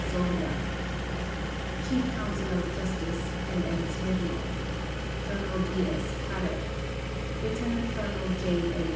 Zorya Chief Counsellor of Justice, L. N. Smirnov Colonel D. S. Karev Lieutenant Colonel J. A.